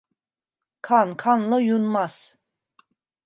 Kan, kanla yunmaz.